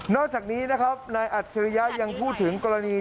นอกจากนี้นายอาทรยายังพูดถึงกรณี